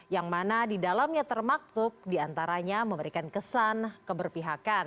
yang mana di dalamnya termaktub diantaranya memberikan kesan keberpihakan